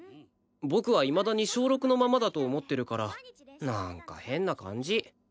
僕はいまだに小６のままだと思ってるからなんか変な感じ